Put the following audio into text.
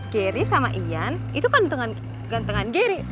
geri sama ian itu kan gantengan geri